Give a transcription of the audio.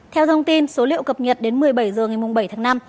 theo thông tin số liệu cập nhật đến một mươi bảy h ngày bảy tháng năm